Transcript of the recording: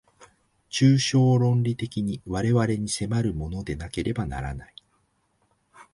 抽象論理的に我々に迫るものでなければならない。